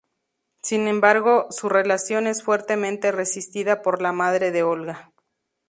Sin embargo, su relación es fuertemente resistida por la madre de Olga.